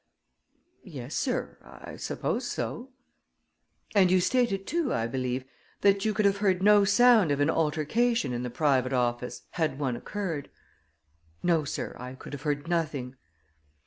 "Yes, sir; I suppose so." "And you stated, too, I believe, that you could have heard no sound of an altercation in the private office, had one occurred?" "No, sir; I could have heard nothing."